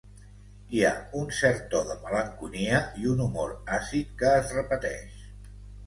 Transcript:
Hi ha un cert to de malenconia i un humor àcid que es repeteix.